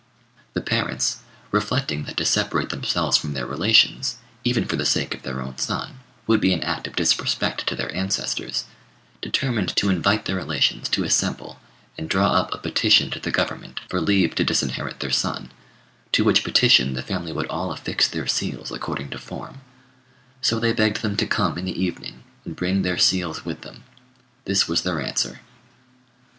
The parents, reflecting that to separate themselves from their relations, even for the sake of their own son, would be an act of disrespect to their ancestors, determined to invite their relations to assemble and draw up a petition to the Government for leave to disinherit their son, to which petition the family would all affix their seals according to form; so they begged them to come in the evening, and bring their seals with them. This was their answer.